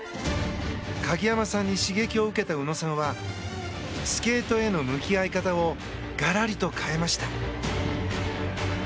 鍵山さんに刺激を受けた宇野さんはスケートへの向き合い方をがらりと変えました。